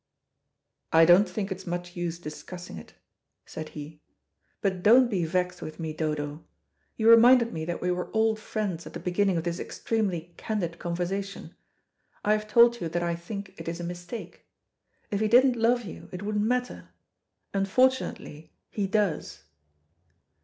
"I don't think it's much use discussing it," said he. "But don't be vexed with me, Dodo. You reminded me that we were old friends at the beginning of this extremely candid conversation. I have told you that I think it is a mistake. If he didn't love you it wouldn't matter. Unfortunately he does."